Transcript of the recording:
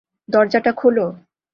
দরজাটা খোলো!